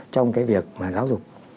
trong cái việc mà giáo dục